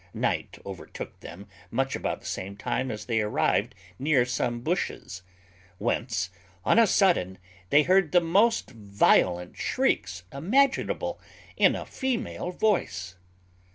Night overtook them much about the same time as they arrived near some bushes; whence, on a sudden, they heard the most violent shrieks imaginable in a female voice.